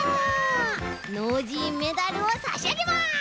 ノージーメダルをさしあげます！